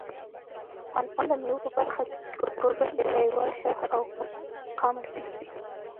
افغانستان د مېوو په برخه کې پوره نړیوال شهرت او مقام لري.